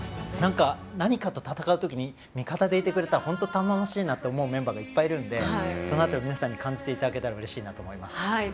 何かと戦うときに味方でいてくれたら本当に頼もしいなと思うメンバーがいっぱいいるのでその辺りを皆さんに感じていただけたらうれしいなと思います。